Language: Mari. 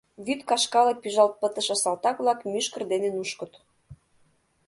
Вӱд кашкала пӱжалт пытыше салтак-влак мӱшкыр дене нушкыт.